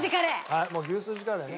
はいもう牛すじカレーね。